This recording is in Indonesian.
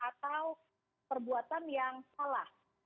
atau perbuatan yang salah